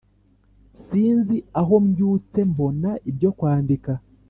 Sinzi aho mbyutse mbona ibyo kwandika